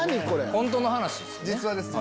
本当の話ですよね。